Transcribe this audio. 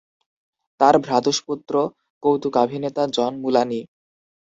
তার ভ্রাতুষ্পুত্র কৌতুকাভিনেতা জন মুলানি।